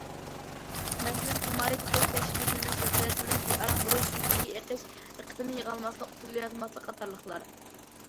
مەسىلەن، خۇمارى تۇتۇش، تەشۋىشلىنىش، ھەسرەتلىنىش، بىئارام بولۇش، شۆلگىيى ئېقىش، دىققىتىنى يىغالماسلىق، ئۇخلىيالماسلىق قاتارلىقلار.